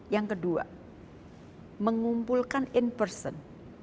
yang kedua mengumpulkan in person